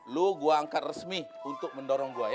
lu gue angkat resmi untuk mendorong pak waji ya